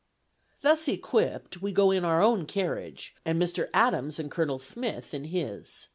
Thus equipped, we go in our own carriage, and Mr. Adams and Colonel Smith in his.